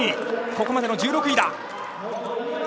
ここまでの１６位。